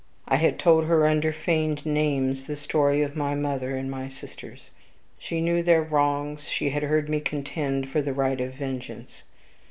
I had told her, under feigned names, the story of my mother and my sisters. She knew their wrongs: she had heard me contend for the right of vengeance.